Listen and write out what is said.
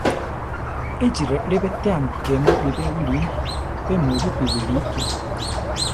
Échi relé betéami ke mulibé wilí; pe mulípi wilíki.